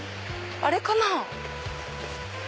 あれかな？